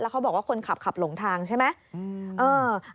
เขาบอกว่าคนขับขับหลงทางใช่ไหม